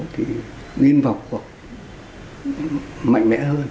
thì nguyên vọc mạnh mẽ hơn